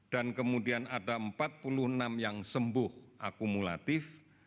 kemudian ada empat puluh enam yang sembuh akumulatif